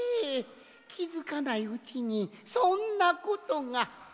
きづかないうちにそんなことが！